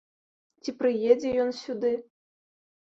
Ці прыедзе ён сюды?